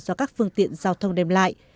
do các phương tiện giao thông đem lại